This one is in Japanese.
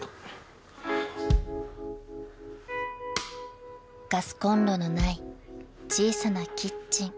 ［ガスこんろのない小さなキッチン］